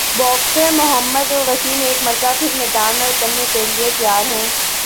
boxer Muhammad Wasim ایک مرتبہ پھر میدان میں اترنےکیلئے تیار ہیں